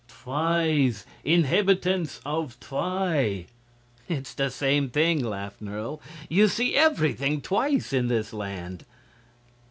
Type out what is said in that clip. "Twis inhabitants of Twi." "It's the same thing," laughed Nerle. "You see everything twice in this land."